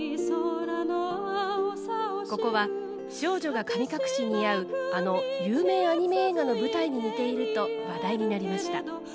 ここは少女が神隠しにあうあの有名アニメ映画の舞台に似ていると話題になりました。